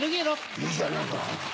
いいじゃねえか。